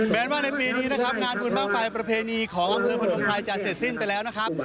แม้ว่าในปีนี้นะครับงานบุญบางไฟประเพณีของวังเครื่องผลวงภัยจะเสร็จสิ้นไปแล้วนะครับ